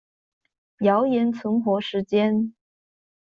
謠言存活時間